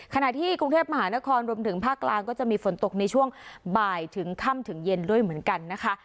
ขณะที่กรุงเทพมหานครรวมถึงภาคกลางก็จะมีฝนตกในช่วงบ่ายถึงค่ำถึงเย็นด้วยเหมือนกันนะคะ